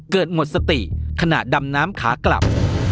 หมดสติขณะดำน้ำขากลับ